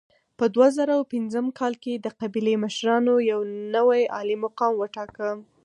په دوه زره پنځم کال کې د قبیلې مشرانو یو نوی عالي مقام وټاکه.